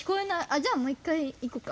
じゃあもう１かいいこっか。